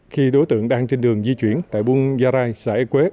khi đối tượng đang trên đường di chuyển tại buôn gia rai xã e quế